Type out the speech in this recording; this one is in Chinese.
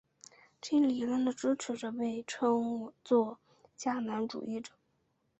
这一理论的支持者被称作迦南主义者。